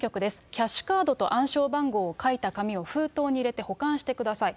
キャッシュカードと暗証番号を書いた紙を封筒に入れて保管してください。